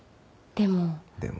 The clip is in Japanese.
でも。